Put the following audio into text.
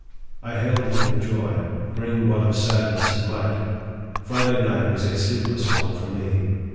I hailed it with joy, bring what of sadness it might Friday night was a sleepless one for me.